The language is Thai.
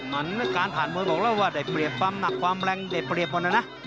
มันการผ่านมวยบอกแล้วว่าได้เปรียบความหนักความแรงได้เปรียบก่อนนะนะ